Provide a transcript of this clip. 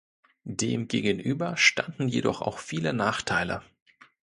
Demgegenüber standen jedoch auch viele Nachteile.